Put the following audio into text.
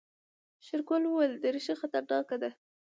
شېرګل وويل دريشي خطرناکه ده.